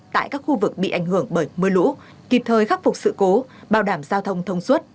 tại các khu vực bị ảnh hưởng bởi mưa lũ kịp thời khắc phục sự cố bảo đảm giao thông thông suốt